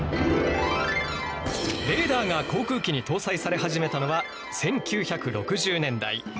レーダーが航空機に搭載され始めたのは１９６０年代。